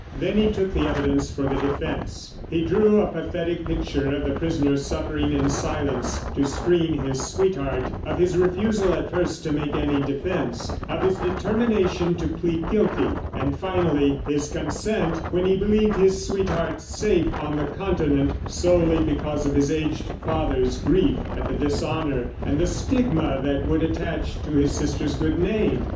Then he took the evidence for the defence. He drew a pathetic picture of the prisoner suffering in silence to screen his sweetheart; of his refusal at first to make any defence; of his determination to plead guilty; and finally, his consent when he believed his sweetheart safe on the Continent, solely because of his aged father's grief at the dishonour and the stigma that would attach to his sister's good name.